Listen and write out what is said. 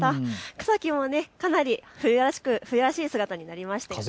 草木も冬らしい姿になりましたね。